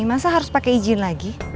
masa harus pakai izin lagi